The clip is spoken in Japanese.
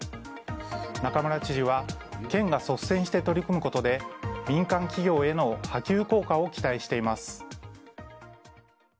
中村知事は県が率先して取り組むことで、民間企業への波及効果を期待しています。